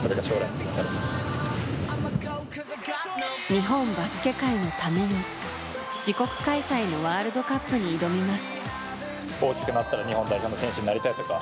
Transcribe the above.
日本バスケ界のために自国開催のワールドカップに挑みます。